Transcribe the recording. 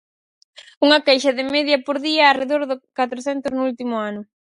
Unha queixa de media por día, arredor de catrocentas no último ano.